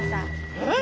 えっ！